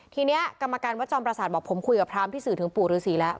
ทีนี้กรรมการวัดจอมประสาทบอกผมคุยกับพรามที่สื่อถึงปู่ฤษีแล้ว